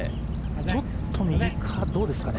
ちょっと右か、どうですかね。